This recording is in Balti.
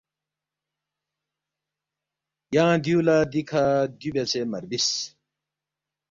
ینگ دیُو لہ دِکھہ دیُو بیاسے مہ ربِس